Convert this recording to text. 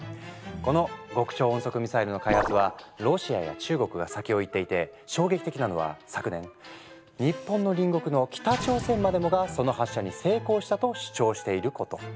この極超音速ミサイルの開発はロシアや中国が先を行っていて衝撃的なのは昨年日本の隣国の北朝鮮までもがその発射に成功したと主張していること。